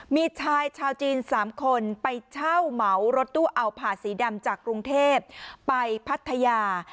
มีชายชาวจีน๓คนไปเช่าเหมารถตู้เอาผ่าสีดำจากกรุงเทพไปพัทยา